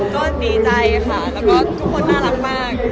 ก็ดีใจค่ะแล้วก็ทุกคนน่ารักมาก